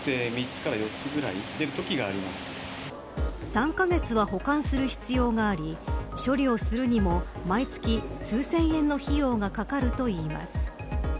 ３カ月は保管する必要があり処理をするにも毎月数千円の費用がかかるといいます。